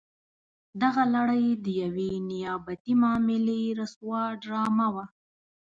دغه لړۍ د یوې نیابتي معاملې رسوا ډرامه وه.